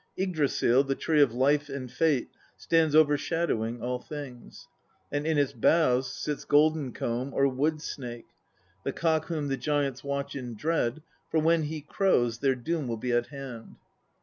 Yggdrasil, the tree of life and fate, stands overshadowing all things ; and in its boughs sits Golden comb or Wood snake, the cock whom the giants watch in dread, for when he crows their Doom will be at hand.